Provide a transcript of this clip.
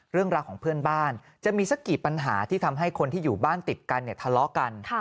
เรื่องราวของเพื่อนบ้านจะมีสักกี่ปัญหาที่ทำให้คนที่อยู่บ้านติดกันเนี่ยทะเลาะกัน